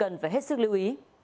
quý vị cần phải hết sức lưu ý